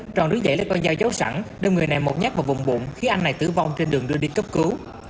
tròn đứng dậy lấy con dao giấu sẵn đâm người này một nhát vào vùng bụng khiến anh này tử vong trên đường đưa đi cấp cứu